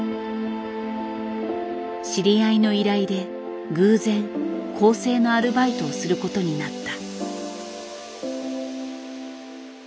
知り合いの依頼で偶然校正のアルバイトをすることになった。